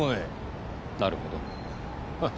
なるほど。